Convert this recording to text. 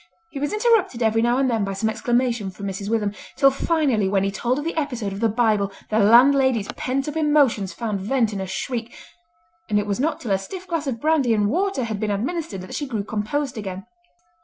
He was interrupted every now and then by some exclamation from Mrs. Witham, till finally when he told of the episode of the Bible the landlady's pent up emotions found vent in a shriek; and it was not till a stiff glass of brandy and water had been administered that she grew composed again.